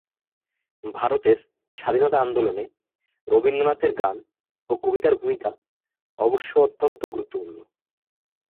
ভারতের স্বাধীনতা আন্দোলনে রবীন্দ্রনাথের গান ও কবিতার ভূমিকা অবশ্য অত্যন্ত গুরুত্বপূর্ণ।